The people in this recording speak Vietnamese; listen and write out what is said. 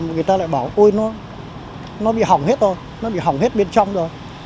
người ta lại bảo ôi nó bị hỏng hết rồi nó bị hỏng hết bên trong rồi